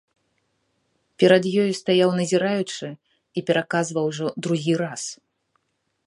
Перад ёю стаяў назіраючы і пераказваў ужо другі раз.